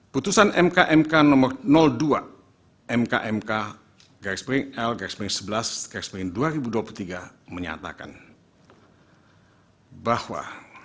putusan mk mk no dua mk mk l sebelas dua ribu dua puluh tiga menyatakan bahwa